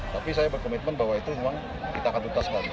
tapi saya berkomitmen bahwa itu memang kita akan tuntaskan